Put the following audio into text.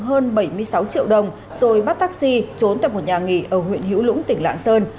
hơn bảy mươi sáu triệu đồng rồi bắt taxi trốn tại một nhà nghỉ ở huyện hữu lũng tỉnh lạng sơn